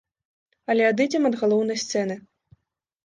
Але адыдзем ад галоўнай сцэны.